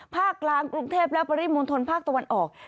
ภาคกลางกรุงเทพและปริมณฑลภาคตะวันออก